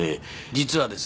実はですね